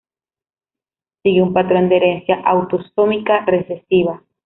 Sigue un patrón de herencia autosómica recesiva.